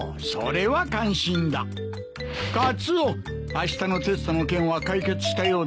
あしたのテストの件は解決したようだな。